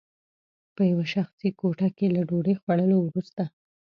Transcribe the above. په یوه شخصي کوټه کې له ډوډۍ خوړلو وروسته